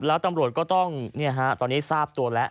แล้วตำรวจก็ต้องตอนนี้ทราบตัวแล้ว